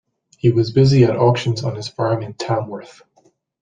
He was busy at auctions on his farm in Tamworth.